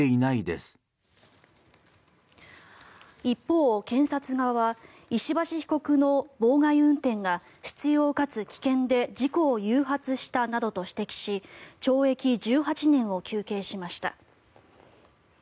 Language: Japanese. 一方、検察側は石橋被告の妨害運転が執よう、かつ危険で事故を誘発したなどと指摘し懲役１８年を求刑しました。